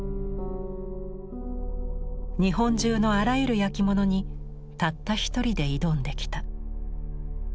日本中のあらゆる焼き物にたった一人で挑んできた。